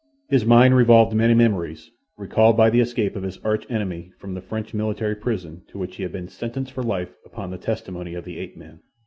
His mind revolved many memories, recalled by the escape of his arch enemy from the French military prison to which he had been sentenced for life upon the testimony of the ape man.